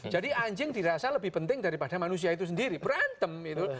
jadi anjing dirasa lebih penting daripada manusia itu sendiri berantem itu